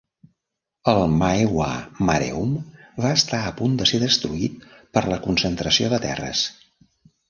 El Maehwa Mareum va estar a punt de ser destruït per la concentració de terres.